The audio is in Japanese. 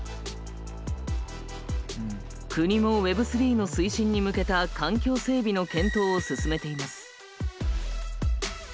国もＷｅｂ３の推進に向けた環境整備の検討を進めています。